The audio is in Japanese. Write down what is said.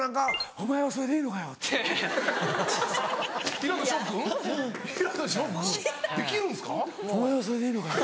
「お前はそれでいいのかよ」。